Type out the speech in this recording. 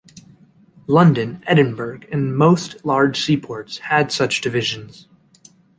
London, Edinburgh and most large seaports had such divisions.